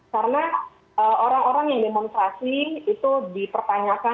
karena orang orang yang demonstrasi itu dipertanyakan